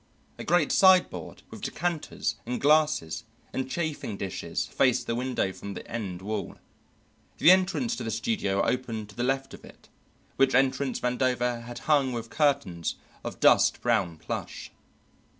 A great sideboard with decanters and glasses and chafing dishes faced the window from the end wall. The entrance to the studio opened to the left of it, which entrance Vandover had hung with curtains of dust brown plush.